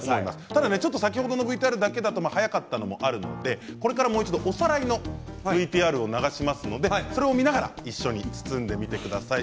ただ先ほどのＶＴＲは速かったのもあるのでこれからもう一度おさらいのＶＴＲを流しますのでそれを見ながら一緒に包んでみてください。